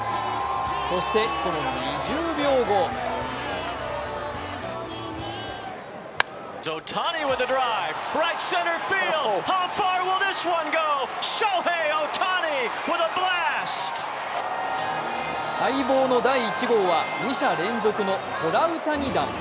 そしてその２０秒後待望の第１号は２者連続のトラウタニ弾。